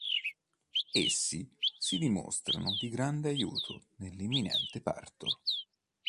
Essi si dimostrano di grande aiuto nell’imminente parto.